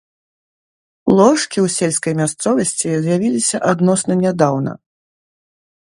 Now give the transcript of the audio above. Ложкі ў сельскай мясцовасці з'явіліся адносна нядаўна.